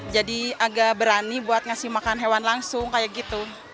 jadi agak berani buat ngasih makan hewan langsung kayak gitu